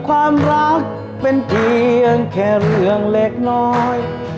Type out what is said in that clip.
ความรักเป็นเพียงแค่เรื่องเล็กน้อย